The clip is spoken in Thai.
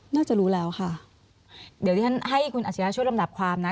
น่าจะรู้แล้วค่ะเดี๋ยวที่ฉันให้คุณอัชริยะช่วยลำดับความนะ